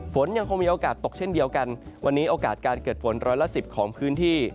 ฝนยังคงมีโอกาสตกเช่นเดียวกันวันนี้โอกาสการเกิดฝนร้อยละสิบของพื้นที่